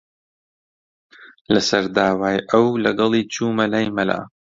لەسەر داوای ئەو، لەگەڵی چوومە لای مەلا